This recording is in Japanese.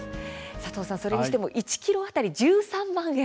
佐藤さん、それにしても１ｋｇ当たり１３万円。